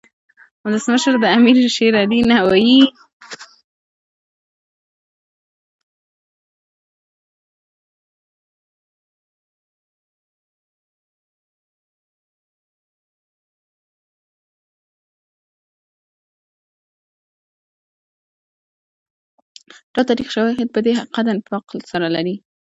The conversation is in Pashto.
ټول تاریخي شواهد پر دې حقیقت اتفاق سره لري.